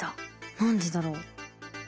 何でだろう？